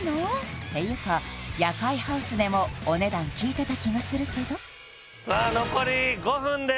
っていうか「夜会ハウス」でもお値段聞いてた気がするけどさあ残り５分です